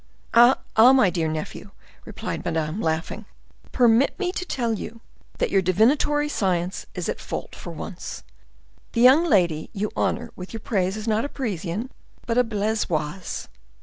"Ah! ah! my dear nephew!" replied Madame, laughing; "permit me to tell you that your divinatory science is at fault for once. The young lady you honor with your praise is not a Parisian, but a Blaisoise."